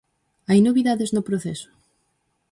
Hai novidades no proceso?